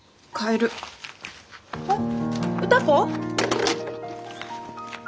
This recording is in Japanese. えっ歌子？